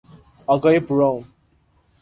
آقای براون